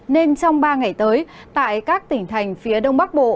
nên trong ba ngày tới tại các tỉnh thành phía đông bắc bộ